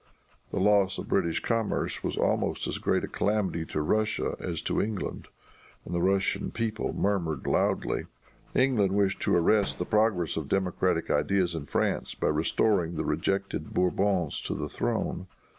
The loss of British commerce was almost as great a calamity to Russia as to England, and the Russian people murmured loudly. England wished to arrest the progress of democratic ideas in France by restoring the rejected Bourbons to the throne.